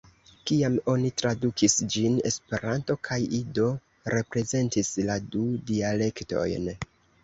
Kiam oni tradukis ĝin, Esperanto kaj Ido reprezentis la du dialektojn.